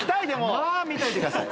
まぁ見といてください。